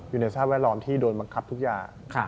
อยู่ในสภาพแวดล้อมที่โดนบังคับทุกอย่าง